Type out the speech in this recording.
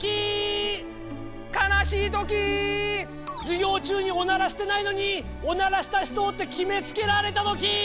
授業中におならしてないのに「おならした人」と決めつけられたときー！